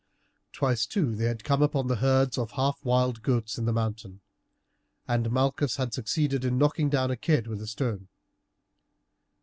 Twice, too, they had come upon herds of half wild goats in the mountains, and Malchus had succeeded in knocking down a kid with a stone.